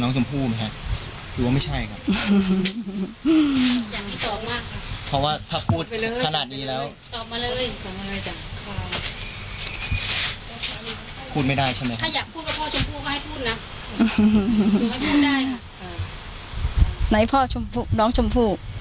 ใช่มั้ยพี่รู้แล้วไม่ยอมบอก